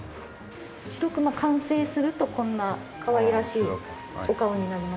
白くま完成するとこんなかわいらしいお顔になります。